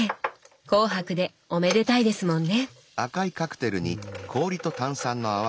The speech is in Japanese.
紅白でおめでたいですもんね！